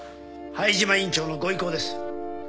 灰島院長のご意向です。